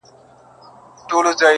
دوهمه ډله هغه خلک چې